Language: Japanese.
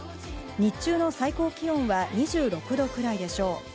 日中の最高気温は２６度くらいでしょう。